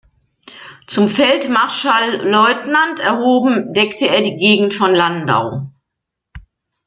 Zum Feldmarschallleutnant erhoben, deckte er die Gegend von Landau.